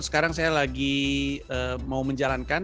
sekarang saya lagi mau menjalankan